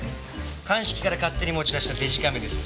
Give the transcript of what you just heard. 鑑識から勝手に持ち出したデジカメです。